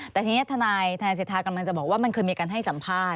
แต่ทีนี้ทนายสิทธากำลังจะบอกว่ามันเคยมีการให้สัมภาษณ